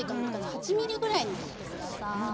８ｍｍぐらいに切ってください。